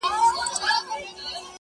• پر هرګام چي شکر باسم له اخلاصه ,